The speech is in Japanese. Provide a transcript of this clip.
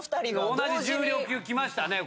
同じ重量級来ましたね